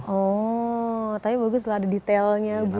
oh tapi bagus lah ada detailnya bu